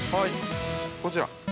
◆こちら。